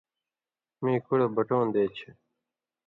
مَیں کُڑہ بَٹَوں دَے څھے۔